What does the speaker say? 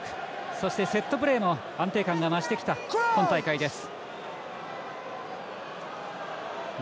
そして、セットプレーも安定感が増してきた今大会です。